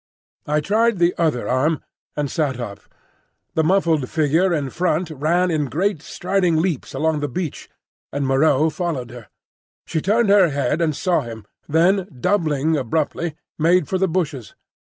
I tried the other arm and sat up. The muffled figure in front ran in great striding leaps along the beach, and Moreau followed her. She turned her head and saw him, then doubling abruptly made for the bushes.